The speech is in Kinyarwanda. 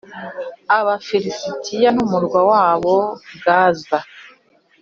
Abafilisiti n’umurwa wabo, Gaza